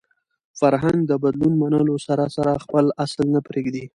فرهنګ د بدلون منلو سره سره خپل اصل نه پرېږدي.